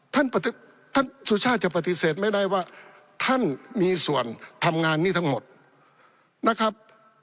ท่านท่านสุชาติจะปฏิเสธไม่ได้ว่าท่านมีส่วนทำงานนี้ทั้งหมดนะครับ